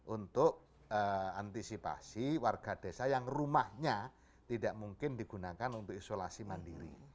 untuk antisipasi warga desa yang rumahnya tidak mungkin digunakan untuk isolasi mandiri